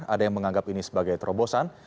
ada yang menganggap ini sebagai terobosan